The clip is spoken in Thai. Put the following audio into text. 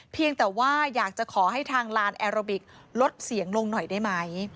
เพียงแต่ว่าอยากจะขอให้ทางลานแอโรบิกลดเสียงลงหน่อยได้ไหม